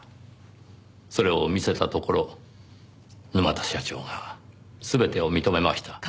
それを見せたところ沼田社長が全てを認めました。